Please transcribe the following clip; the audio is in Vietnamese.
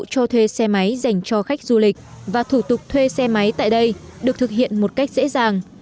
cho thuê xe máy dành cho khách du lịch và thủ tục thuê xe máy tại đây được thực hiện một cách dễ dàng